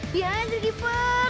biarin si keeper